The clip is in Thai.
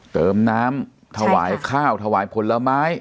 เติมน้ำถวายข้าวถวายผลไม้